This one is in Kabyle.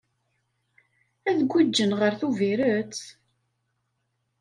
Ad giǧǧen ɣer Tubiret?